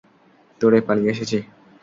দৌড়ে পালিয়ে এসেছি।